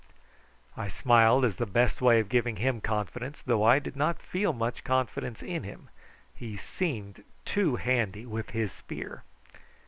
I smiled as the best way of giving him confidence, though I did not feel much confidence in him he seemed too handy with his spear.